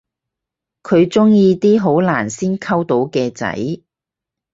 佢鍾意啲好難先溝到嘅仔